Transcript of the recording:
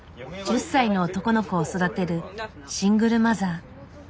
１０歳の男の子を育てるシングルマザー。